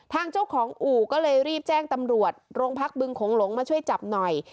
ทางเจ้าของอู่ก็เลยรีบแจ้งตำรวจโรงพักบึงโขงหลงมาช่วยจับหน่อย